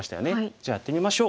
じゃあやってみましょう。